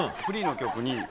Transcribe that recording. フリーの曲に。